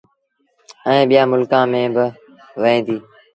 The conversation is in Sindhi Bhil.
ائيٚݩ ٻيٚآݩ ملڪآݩ ميݩ با وهي ديٚ